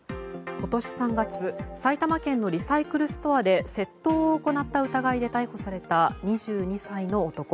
今年３月埼玉県のリサイクルストアで窃盗を行った疑いで逮捕された２２歳の男。